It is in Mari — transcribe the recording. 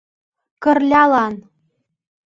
КЫРЛЯЛАН